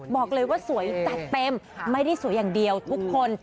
บอกเลยว่าสวยจัดเต็มไม่ได้สวยอย่างเดียวทุกคน